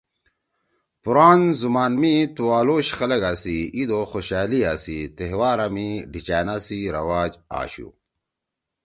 پُوران زُمان می تُوالوش خلگا سی عید او خوشألیِا سی تہوارا می ڈھیِچأنا سی رواج آشُو۔